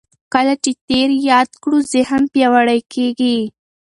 کله چې تېر یاد کړو ذهن پیاوړی کېږي.